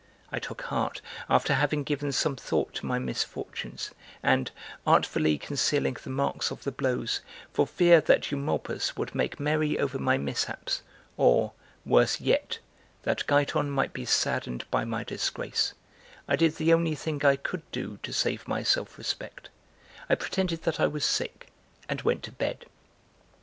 I took heart after having given some thought to my misfortunes and, artfully concealing the marks of the blows for fear that Eumolpus would make merry over my mishaps or, worse yet, that Giton might be saddened by my disgrace, I did the only thing I could do to save my self respect, I pretended that I was sick and went to bed.